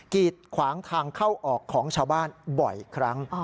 กีดขวางทางเข้าออกของชาวบ้านบ่อยครั้ง